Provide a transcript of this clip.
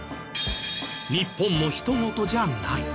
日本も人ごとじゃない。